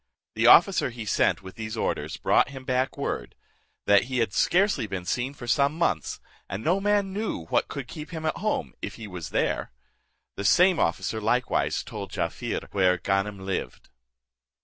The officer he sent with these orders brought him back word, that he had scarcely been seen for some months, and no man knew what could keep him at home, if he was there. The same officer likewise told Jaaffier where Ganem lived.